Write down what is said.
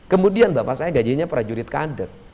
kemudian bapak saya gajinya prajurit kader